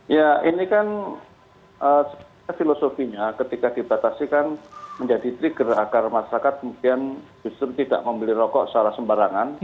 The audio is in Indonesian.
ya ini kan sebenarnya filosofinya ketika dibatasi kan menjadi trigger agar masyarakat kemudian justru tidak membeli rokok secara sembarangan